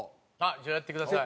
じゃあやってください。